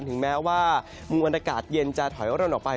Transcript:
ถึงแม้ว่ามวลอากาศเย็นจะถอยร่นออกไป